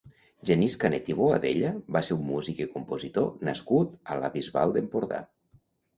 Genís Canet i Boadella va ser un músic i compositor nascut a la Bisbal d'Empordà.